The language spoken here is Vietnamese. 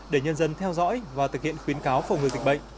để nhân dân theo dõi và thực hiện khuyến cáo phòng ngừa dịch bệnh